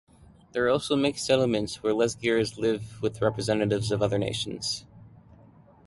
There are also mixed settlements where Lezgins live with representatives of other nations.